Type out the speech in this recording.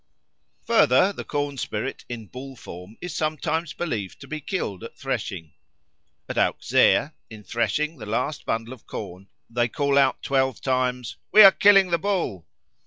Further, the corn spirit in bull form is sometimes believed to be killed at threshing. At Auxerre, in threshing the last bundle of corn, they call out twelve times, "We are killing the Bull."